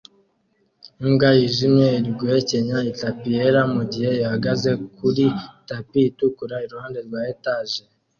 Imbwa yijimye iri guhekenya itapi yera mugihe ihagaze kuri tapi itukura iruhande rwa etage